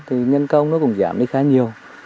thì nhân công nó cũng giảm đi khá nhiều